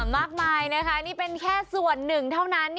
มากมายแล้วเป็นแค่ส่วนหนึ่งเท่านั้น